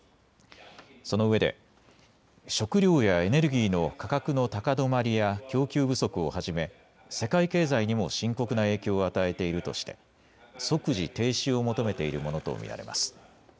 そのうえで食料やエネルギーの価格の高止まりや供給不足をはじめ世界経済にも深刻な影響を与えているとして即時停止を求めているものと見られます。